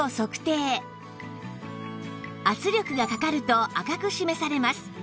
圧力がかかると赤く示されます